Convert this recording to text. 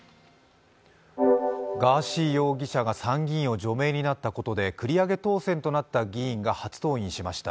ガーシー容疑者が参議院を除名になったことで繰り上げ当選となった議員が初登院しました。